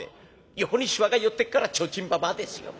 「横にしわが寄ってっから提灯ばばあですよ。